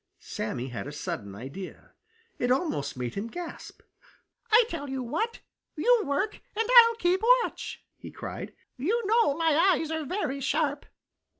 Sammy had a sudden idea. It almost made him gasp. "I tell you what, you work and I'll keep watch!" he cried. "You know my eyes are very sharp."